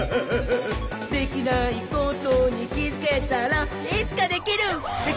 「できないことにきづけたらいつかできるひゃっほ」